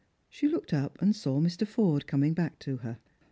She looked up, and saw Mr. Forde coming back to her.